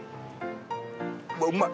あうまい！